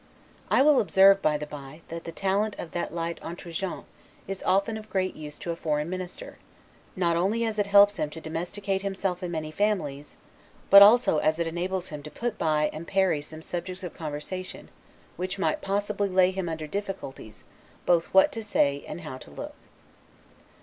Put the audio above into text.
I will observe, by the bye, that the talent of that light 'entregent' is often of great use to a foreign minister; not only as it helps him to domesticate himself in many families, but also as it enables him to put by and parry some subjects of conversation, which might possibly lay him under difficulties both what to say and how to look.